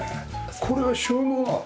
これは収納なの？